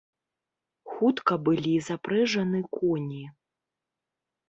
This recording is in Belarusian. Хутка былі запрэжаны коні.